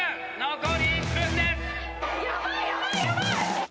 残り１分です。